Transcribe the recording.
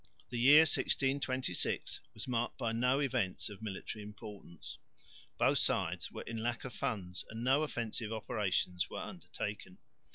The year 1626 was marked by no events of military importance; both sides were in lack of funds and no offensive operations were undertaken.